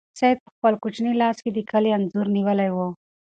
سعید په خپل کوچني لاس کې د کلي انځور نیولی و.